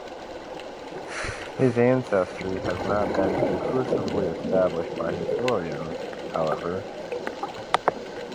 His ancestry has not been conclusively established by historians, however.